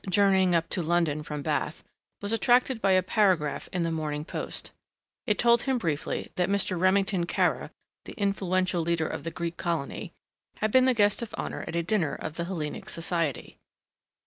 journeying up to London from Bath was attracted by a paragraph in the Morning Post. It told him briefly that Mr. Remington Kara, the influential leader of the Greek Colony, had been the guest of honor at a dinner of the Hellenic Society.